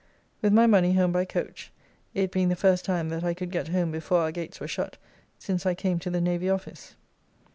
With my money home by coach, it, being the first time that I could get home before our gates were shut since I came to the Navy office.